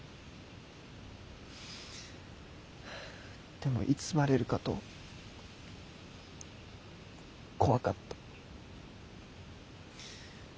でもいつバレるかと怖かった。